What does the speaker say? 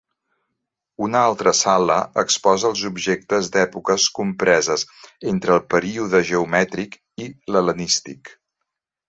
Una altra sala exposa els objectes d'èpoques compreses entre el període geomètric i l'hel·lenístic.